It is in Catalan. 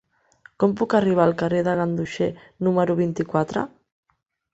Com puc arribar al carrer de Ganduxer número vint-i-quatre?